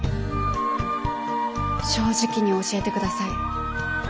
正直に教えて下さい。